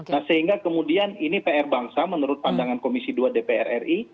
nah sehingga kemudian ini pr bangsa menurut pandangan komisi dua dpr ri